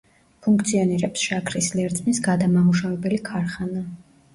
ფუნქციონირებს შაქრის ლერწმის გადამამუშავებელი ქარხანა.